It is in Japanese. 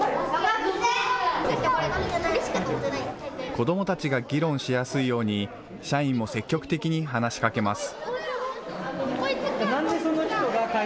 子どもたちが議論しやすいように、社員も積極的に話しかけます。